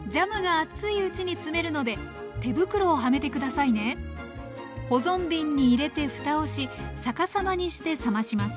いよいよ瓶詰め保存瓶に入れてふたをし逆さまにして冷まします。